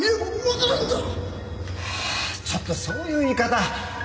ちょっとそういう言い方。